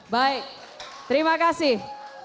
baik terima kasih